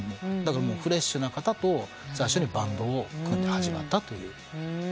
フレッシュな方と最初にバンドを組んで始まったという。